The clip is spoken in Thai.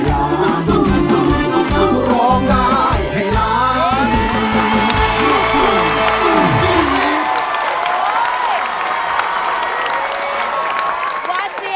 ตัวเสียบ